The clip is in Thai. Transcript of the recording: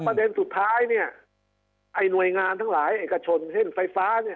ประเด็นสุดท้ายเนี่ยไอ้หน่วยงานทั้งหลายเอกชนเช่นไฟฟ้าเนี่ย